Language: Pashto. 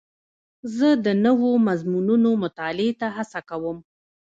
زه د نوو مضمونونو مطالعې ته هڅه کوم.